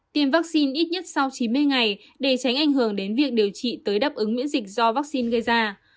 tiêm vaccine ít nhất sau chín mươi ngày để tránh ảnh hưởng đến việc điều trị tới đáp ứng miễn dịch do vaccine gây ra